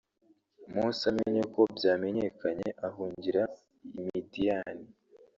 Mose amenye ko byamenyekanye ahungira i Midiyani